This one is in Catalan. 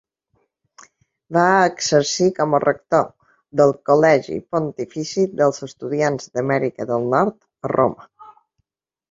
Va exercir com a rector del Col·legi Pontifici dels estudiants d'Amèrica del Nord a Roma.